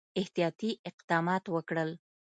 احتیاطي اقدمات وکړل.